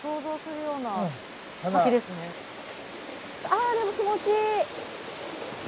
あでも気持ちいい。